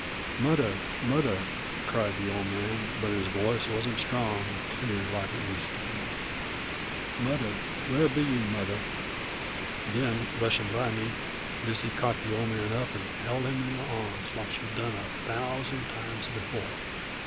"Mudder! mudder!" cried the Old Man, but his voice warn't strong 'nd clear like it used to be. "Mudder, where be you, mudder?" Then, breshin' by me, Lizzie caught the Old Man up 'nd held him in her arms, like she had done a thousand times before.